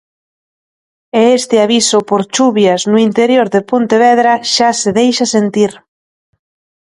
E este aviso por chuvias no interior de Pontevedra xa se deixa sentir.